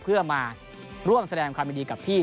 เพื่อมาร่วมแสดงความยินดีกับพี่